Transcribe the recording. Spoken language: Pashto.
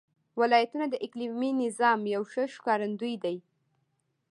ولایتونه د اقلیمي نظام یو ښه ښکارندوی دی.